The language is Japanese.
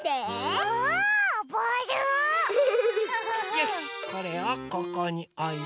よしこれをここにおいて。